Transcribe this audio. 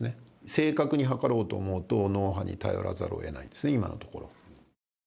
正確に測ろうと思うと、脳波に頼らざるをえないんですね、今のところ。